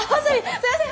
すいません！